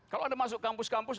kalau anda masuk kampus kampus